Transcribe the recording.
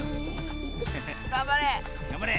がんばれ！